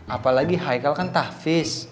apalagi haikal kan tahfiz